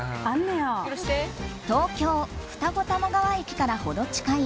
東京・二子玉川駅から程近い